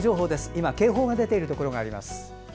今、警報が出ているところがあります。